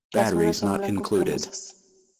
Las flores son blanco-cremosas.